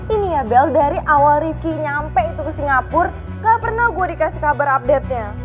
ini ya bel dari awal ricky nyampe itu ke singapura gak pernah gue dikasih kabar update nya